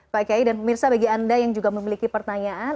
pak kiai dan pemirsa bagi anda yang juga memiliki pertanyaan